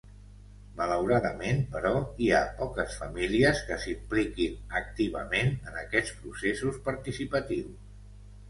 Malauradament, però, hi ha poques famílies que s’impliquin activament en aquests processos participatius.